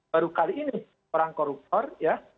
baru kali ini seorang koruptor ya